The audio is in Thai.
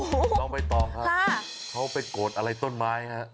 เอ่อต้องไปต่อค่ะเขาไปโกรธอะไรต้นไม้ค่ะ